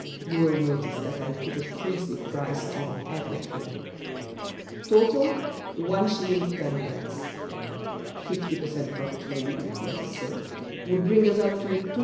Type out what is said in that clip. (You will notice that I put a princely price on everything), Total, 1s. 10d. Fifty per cent. profit for you, let us say, Would bring us up to 2s.